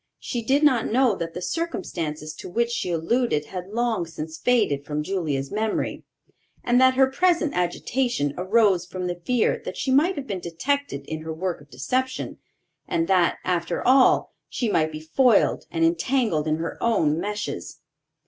She did not know that the circumstances to which she alluded had long since faded from Julia's memory, and that her present agitation arose from the fear that she might have been detected in her work of deception, and that, after all, she might be foiled and entangled in her own meshes.